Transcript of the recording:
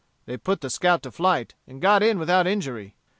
They put the scout to flight, and got in without injury.